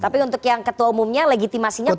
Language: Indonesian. tapi untuk yang ketua umumnya legitimasinya